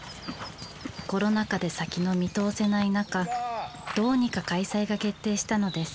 コロナ禍で先の見通せないなかどうにか開催が決定したのです。